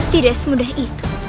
tidak semudah itu